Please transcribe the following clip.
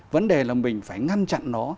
vấn đề là mình phải ngăn chặn nó